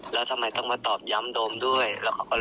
แล้วทำไมต้องมาตอบย้ำโดมด้วยแล้วก็ก็หล่อนไห้